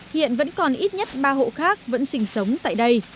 hiện vẫn còn ít nhất ba hộ khác vẫn sinh sống tại đây